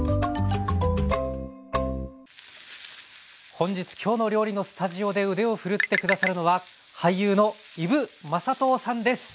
本日「きょうの料理」のスタジオで腕を振るって下さるのは俳優の伊武雅刀さんです。